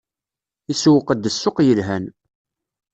Isewweq-d ssuq yelhan.